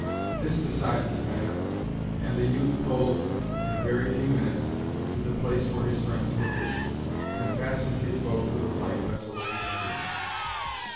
This decided the matter, and the youth pulled, in a very few minutes, to the place where his friends were fishing, and fastened his boat to the light vessel of the Indian.